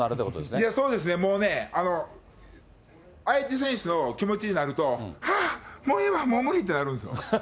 いやそうですね、もうね、相手選手の気持ちになると、はぁ、もうええわ、もう無理ってなるんですよ。